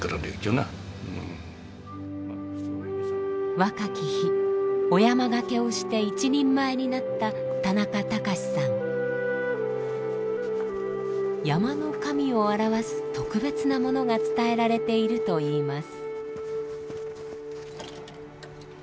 若き日御山駆けをして一人前になった山の神を表す特別なものが伝えられているといいます。